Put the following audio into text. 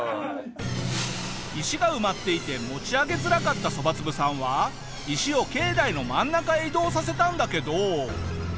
石が埋まっていて持ち上げづらかったそばつぶさんは石を境内の真ん中へ移動させたんだけど。